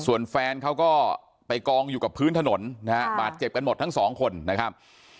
ส่วนแฟนเขาก็ไปกองอยู่กับพื้นถนนนะฮะบาดเจ็บกันหมดทั้งสองคนนะครับ